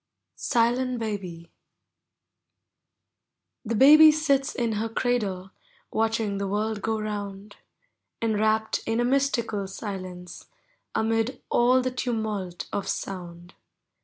SILENT BABY. The baby sits in her cradle. Watching the world go round, Enrapt in a mystical silence, Amid all the tumult of sound.